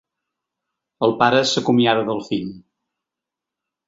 El pare s'acomiada del fill.